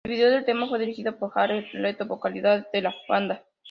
El video del tema fue dirigido por Jared Leto, vocalista dela banda.